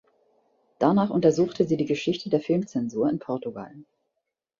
Danach untersuchte sie die Geschichte der Filmzensur in Portugal.